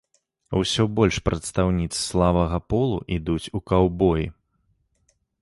Усё больш прадстаўніц слабага полу ідуць у каўбоі.